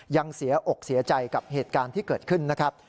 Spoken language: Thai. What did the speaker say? ยังเสียอกเสียใจกับเหตุการณ์ที่เกิดขึ้นนะครับ